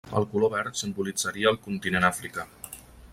El color verd simbolitzaria el continent africà.